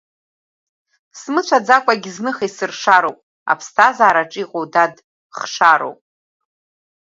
Смыцәаӡакәагьы зных исыршароуп, аԥсҭазаараҿ иҟоу, дад, хшароуп.